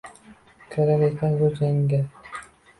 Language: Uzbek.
Kirar ekan zo’r jangga.